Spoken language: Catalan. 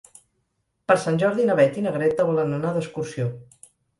Per Sant Jordi na Beth i na Greta volen anar d'excursió.